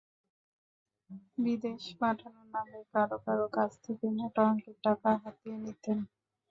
বিদেশ পাঠানোর নামে কারও কারও কাছ থেকে মোটা অঙ্কের টাকা হাতিয়ে নিতেন।